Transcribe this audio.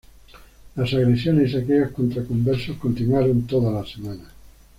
Las agresiones y saqueos contra conversos continuaron toda la semana.